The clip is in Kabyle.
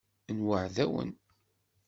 Nweεεed-awen.